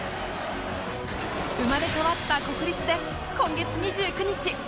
生まれ変わった国立で今月２９日